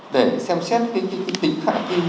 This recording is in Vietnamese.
để xem xét tính hạ tinh